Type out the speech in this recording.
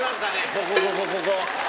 ここここここ。